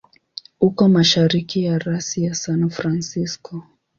Uko mashariki ya rasi ya San Francisco.